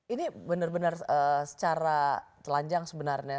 ini benar benar secara telanjang sebenarnya